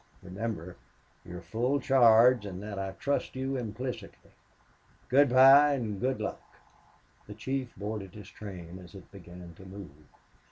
Remember, you've full charge and that I trust you implicitly. Good by and good luck!" The chief boarded his train as it began to move.